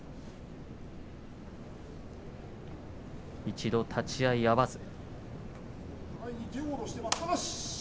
一度立ち合いが合わず。